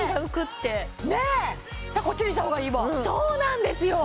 こっちにした方がいいわそうなんですよ！